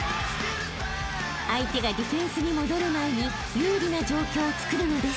［相手がディフェンスに戻る前に有利な状況をつくるのです］